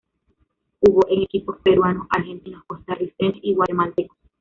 Jugó en equipos peruanos, argentinos, costarricenses y guatemaltecos.